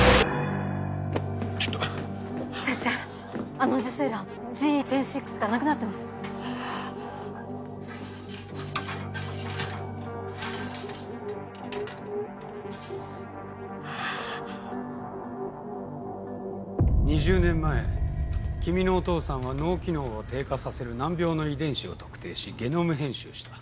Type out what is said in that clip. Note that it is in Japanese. あの受精卵ＧＥ１０．６がなくなっハァ２０年前君のお父さんは脳機能を低下させる難病の遺伝子を特定しゲノム編集した。